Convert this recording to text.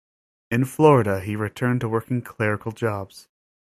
In Florida he returned to working clerical jobs.